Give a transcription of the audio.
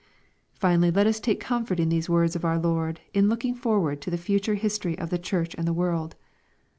'' Finally, let us take comfort in these words of our Lord, in looking forward to the future history of the Church and the world.